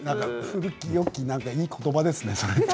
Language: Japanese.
古きよきいいことばですね。